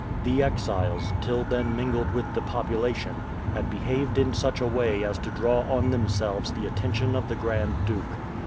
The exiles, till then mingled with the population, had behaved in such a way as to draw on themselves the attention of the Grand Duke.